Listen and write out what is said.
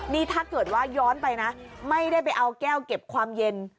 นี่ถ้าเกิดว่าย้อนไปนะไม่ได้ไปเอาแก้วเก็บความเย็น